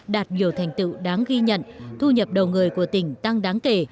đạt nhiều thành tựu đáng ghi nhận thu nhập đầu người của tỉnh tăng đáng kể